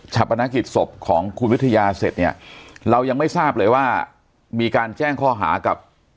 ปนักกิจศพของคุณวิทยาเสร็จเนี่ยเรายังไม่ทราบเลยว่ามีการแจ้งข้อหากับ